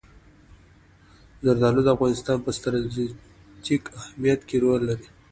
زردالو د افغانستان په ستراتیژیک اهمیت کې رول لري.